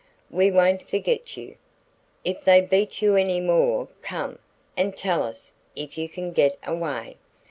We won't forget you. If they beat you any more come, and tell us if you can get away.